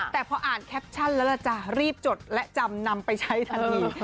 แต่พออ่านแคปชั่นแล้วล่ะจ๊ะรีบจดและจำนำไปใช้ทันที